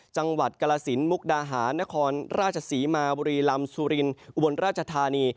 จังหวัดกรสินมุกดาหารนครราชศรีมาบุรีลำสุรินอุบลราชธานี